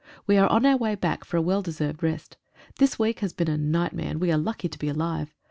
We are on our way back for a well deserved rest. The week has been a nightmare, and we are lucky to be alive.